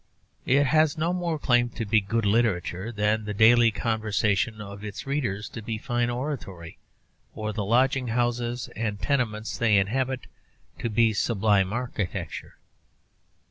It has no more claim to be good literature than the daily conversation of its readers to be fine oratory, or the lodging houses and tenements they inhabit to be sublime architecture.